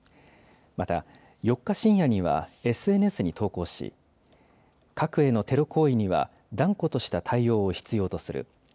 また、４日深夜にはＳＮＳに投稿し、核へのテロ行為には断固とした対応を必要とする。